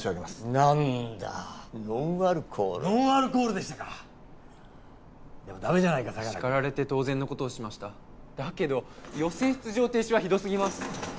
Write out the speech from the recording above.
・なんだノンアルコールノンアルコールでしたかでもダメじゃないか相良君叱られて当然のことをしましただけど予選出場停止はひどすぎます